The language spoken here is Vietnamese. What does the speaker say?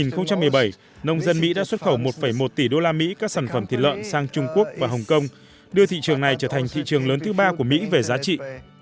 năm hai nghìn một mươi bảy nông dân mỹ đã xuất khẩu một một tỷ usd các sản phẩm thịt lợn sang trung quốc và hồng kông đưa thị trường này trở thành thị trường lớn thứ ba của mỹ về giá trị